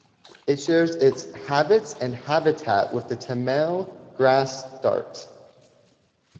It shares its habits and habitat with the Tamil grass dart.